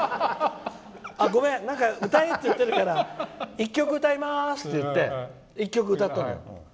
ごめん、歌えって言ってるから１曲歌います！って言って１曲歌ったのよ。